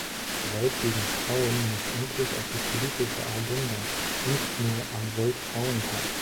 Gewalt gegen Frauen muss endlich auf die politische Agenda, nicht nur am Weltfrauentag.